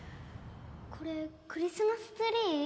これクリスマスツリー？